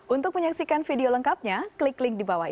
untuk menyaksikan video lengkapnya klik link di bawah ini